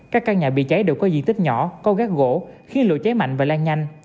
các căn nhà bị cháy đều có diện tích nhỏ có gác gỗ khi lượng cháy mạnh và lan nhanh